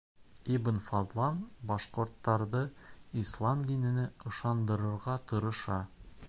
Ибн Фаҙлан башҡорттарҙы ислам диненә ышандырырға тырыша.